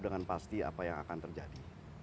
dengan pasti apa yang akan terjadi